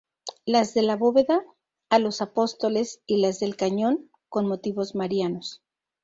Las de la bóveda a los Apóstoles y las del cañón, con motivos marianos.